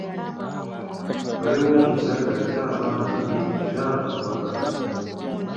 Waaliwo omuzadde alina abaana babiri era ng'abaagala nnyo.